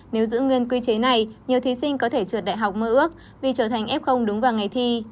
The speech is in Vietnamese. nếu giữ nguyên quy chế này nhiều thí sinh có thể trượt đại học mơ ước vì trở thành f đúng vào ngày thi